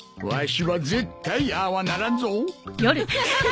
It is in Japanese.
わしは絶対ああはならんぞ。